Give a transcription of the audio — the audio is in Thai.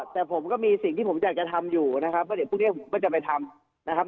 แต่ผมก็มีสิ่งที่ผมอยากจะทำอยู่นะครับเพราะเดี๋ยวพรุ่งนี้ผมก็จะไปทำนะครับ